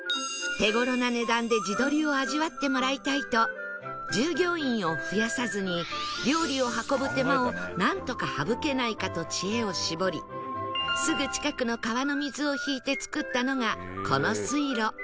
手頃な値段で地鶏を味わってもらいたいと従業員を増やさずに料理を運ぶ手間をなんとか省けないかと知恵を絞りすぐ近くの川の水を引いて作ったのがこの水路